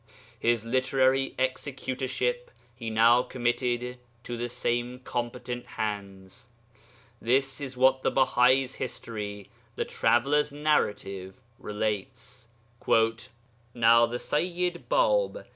His literary executorship he now committed to the same competent hands. This is what the Baha'is History (The Travellers Narrative) relates, 'Now the Sayyid Bāb